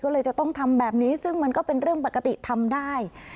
ก็เลยจะต้องทำแบบนี้ซึ่งมันก็เป็นเรื่องปกติทำได้